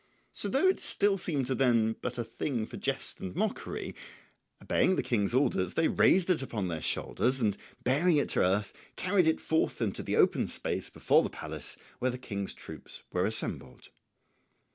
So though it still seemed to them but a thing for jest and mockery, obeying the King's orders they raised it upon their shoulders, and bearing it to earth carried it forth into the open space before the palace where the King's troops were assembled.